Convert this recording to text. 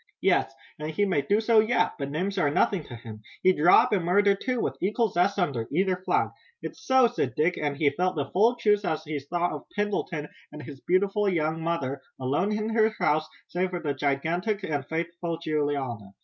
"Yes, and he may do so yet, but names are nothing to him. He'd rob, and murder, too, with equal zest under either flag." "It's so," said Dick, and he felt the full truth as he thought of Pendleton, and his beautiful young mother, alone in her house, save for the gigantic and faithful Juliana.